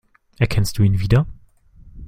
Erkennst du ihn wieder?